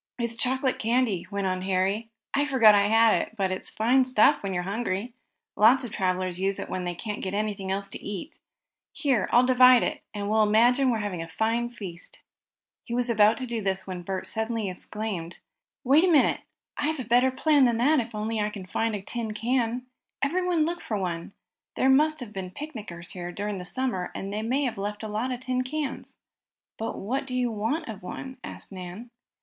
"It's chocolate candy," went on Harry. "I forgot I had it, but it's fine stuff when you're hungry. Lots of travelers use it when they can't get anything else to eat. Here, I'll divide it, and we'll imagine we're having a fine feast." He was about to do this when Bert suddenly exclaimed: "Wait a minute! I have a better plan than that if I can only find a tin can. Everybody look for one. There may have been picnickers here during the summer, and they may have left a lot of tin cans." "But what do you want of one?" asked Nan.